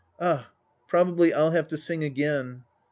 Ah. Probably I'll have to sing again.